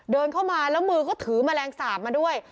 เดินเข้ามาแล้วมือก็ถือแมลงสาปมาด้วย